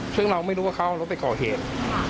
ซึ่งเราไม่รู้ว่าเขาเอารถไปก่อเหตุ